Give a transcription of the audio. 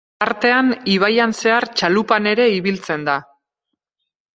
Tartean ibaian zehar txalupan ere ibiltzen da.